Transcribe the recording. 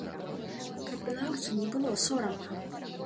Каб беларусу не было сорамна!